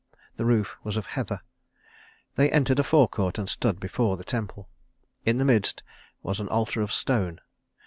The roof was of heather. They entered a forecourt and stood before the temple. In the midst was an altar of stone.